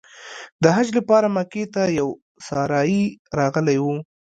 د حج لپاره مکې ته یو سارایي راغلی و.